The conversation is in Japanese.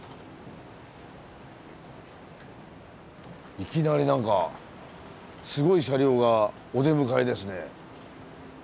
いきなり何かすごい車両がお出迎えですね。